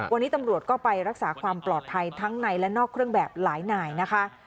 วันนี้ตำรวจก็ไปรักษาความปลอดภัยทั้งในและนอกเครื่องแบบหลายนายนะคะ